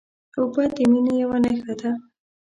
اوبه د مینې یوه نښه ده.